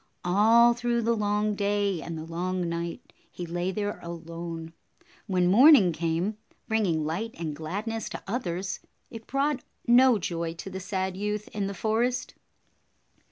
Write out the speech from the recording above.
All through the long day and the long night, he lay there alone. When morning came, bring ing light and gladness to others, it brought no joy to the sad youth in the forest.